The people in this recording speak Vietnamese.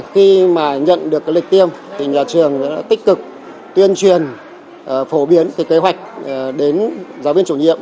khi mà nhận được lịch tiêm thì nhà trường đã tích cực tuyên truyền phổ biến từ kế hoạch đến giáo viên chủ nhiệm